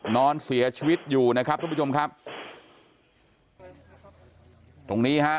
นอนเสียชีวิตอยู่นะครับทุกผู้ชมครับตรงนี้ฮะ